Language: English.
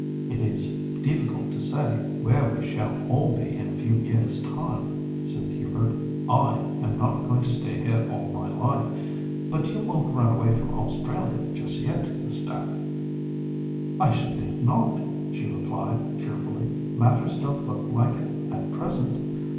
"It is difficult to say where we shall all be in a few years' time," said Hubert. "I am not going to stay here all my life. But you won't run away from Australia just yet, Miss Dacre?" "I should think not," she replied, cheerfully; "matters don't look like it at present.